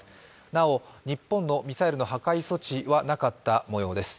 なお、日本のミサイル破壊措置はなかった模様です。